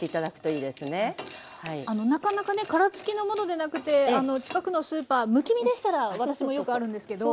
あのなかなかね殻付きのものでなくて近くのスーパーむき身でしたら私もよくあるんですけど。